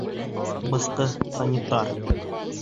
Бысҡы — санитар...